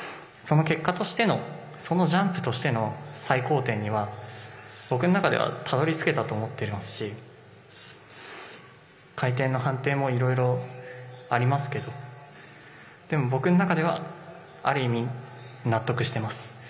その結果としてのそのジャンプとしての最高点には僕の中ではたどりつけたと思っていますし回転の判定もいろいろありますけどでも僕の中ではある意味、納得しています。